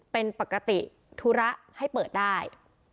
เป็นปกติธุระให้เปิดได้